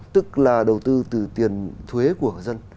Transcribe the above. tức là đầu tư từ tiền thuế của dân